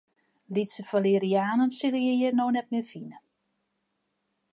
Lytse falerianen sille je hjir no net mear fine.